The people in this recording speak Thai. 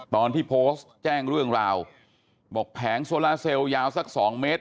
ตอนที่โพสต์แจ้งเรื่องราวบอกแผงโซลาเซลยาวสัก๒เมตร